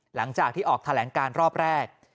หลังจากที่ออกแถลงการรอบแรก